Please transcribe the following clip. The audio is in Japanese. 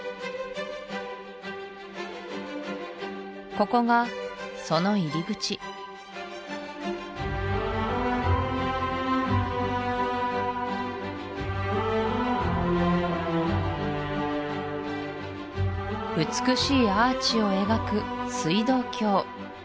ここがその入り口美しいアーチを描く水道橋